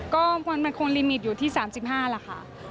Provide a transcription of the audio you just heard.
ก็มันคงลิมิตอยู่ที่๓๕ล่ะค่ะ